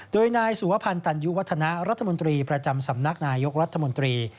โดยนายสุวพันธ์ตันยุวัฒนะรัฐมนตรีประจำสำนักนายกรัฐมนตรี